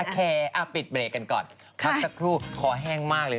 ปิดเบรกกันก่อนพักสักครู่คอแห้งมากเลย